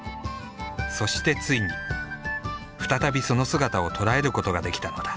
そしてついに再びその姿を捉えることができたのだ。